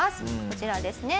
こちらですね。